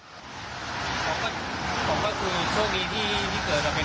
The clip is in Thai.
และผมก็สัญญาว่าผมจะช่วยเหลือข้าวบ้าน